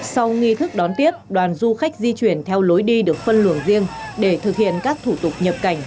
sau nghi thức đón tiếp đoàn du khách di chuyển theo lối đi được phân luồng riêng để thực hiện các thủ tục nhập cảnh